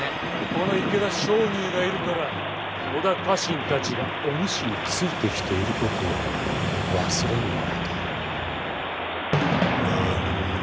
この池田勝入がいるから織田家臣たちがお主についてきていることを忘れんでもらいたい。